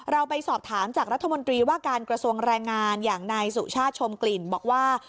เราไปสอบถามจากรัฐมนตรีว่าการกระทรวงแรงงานอย่างนายสุชาติชมกลิ่นบอกว่า